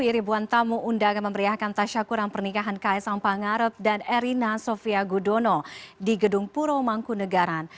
rp dua puluh an tamu undang undang memberiakan tasya kurang pernikahan kaisang pangarep dan erina sofia gudono di gedung puro mangkunegaran